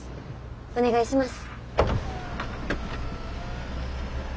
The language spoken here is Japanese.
お願いします。